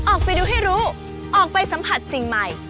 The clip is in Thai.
ออกไปดูให้รู้ออกไปสัมผัสสิ่งใหม่